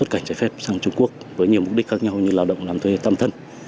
cảnh trái phép sang trung quốc với nhiều mục đích khác nhau như là làm thuê tâm thân